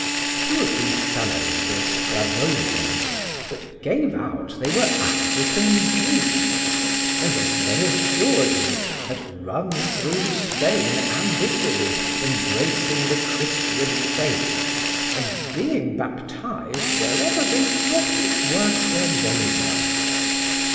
Two of these fellows were Sclavonians, but gave out they were African Jews, and (as they assured me) had run through Spain and Italy, embracing the Christian faith, and being baptised wherever they thought it worth their labor.